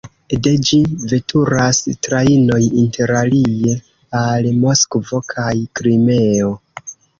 De ĝi veturas trajnoj interalie al Moskvo kaj Krimeo.